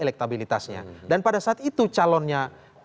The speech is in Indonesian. elektabilitasnya dan pada saat itu calonnya